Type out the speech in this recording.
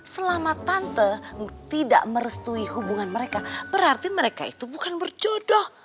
selama tante tidak merestui hubungan mereka berarti mereka itu bukan berjodoh